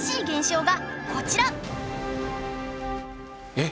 えっ？